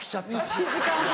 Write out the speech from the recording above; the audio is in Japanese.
１時間半。